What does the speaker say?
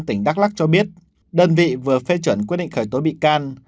tỉnh đắk lắc cho biết đơn vị vừa phê chuẩn quyết định khởi tố bị can